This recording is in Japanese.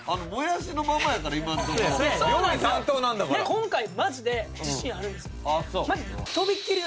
今回マジで自信あるんです。